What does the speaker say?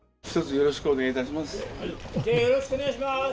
よろしくお願いします。